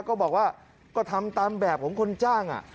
ก็บอกว่าก็ทำตามแบบของคนจ้าง